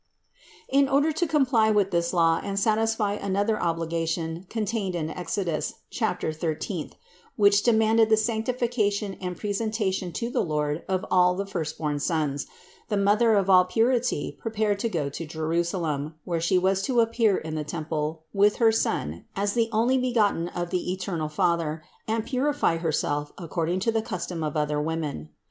In order to comply with this law and satisfy another obligation con tained in Exodus, chapter thirteenth, which demanded the sanctification and presentation to the Lord of all the first born sons, the Mother of all purity prepared to go to Jerusalem, where She was to appear in the temple with her Son as the Onlybegotten of the eternal Father and purify Herself according to the custom of other women.